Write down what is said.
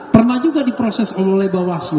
pernah juga diproses oleh bawaslu